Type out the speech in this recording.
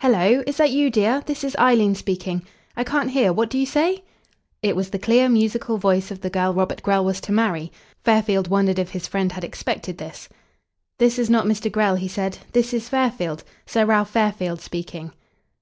"Hello! Is that you, dear? This is Eileen speaking.... I can't hear. What do you say?" It was the clear, musical voice of the girl Robert Grell was to marry. Fairfield wondered if his friend had expected this. "This is not Mr. Grell," he said. "This is Fairfield Sir Ralph Fairfield speaking."